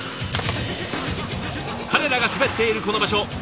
彼らが滑っているこの場所。